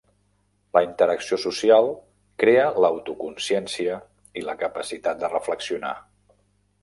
La interacció social crea l'autoconsciència i la capacitat de reflexionar.